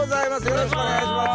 よろしくお願いします！